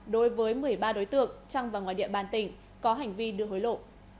đối với một mươi ba đối tượng trong và ngoài địa bàn tỉnh có hành vi đưa hối lộ